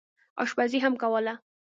اشپزي هم کوله.